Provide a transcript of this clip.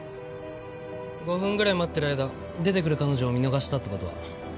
５分ぐらい待ってる間出てくる彼女を見逃したって事は？